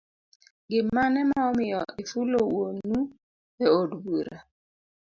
gimane ma omiyo ifulo wuonu e od bura.